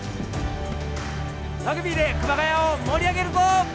ラグビーで熊谷を盛り上げるぞ！